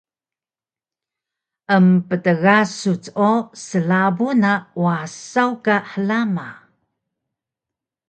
Emptgasuc o slabu na wasaw ka hlama